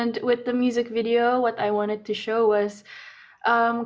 dan dengan video musik yang ingin saya tunjukkan adalah